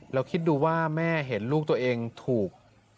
คิดดูว่าแม่เห็นลูกตัวเองถูก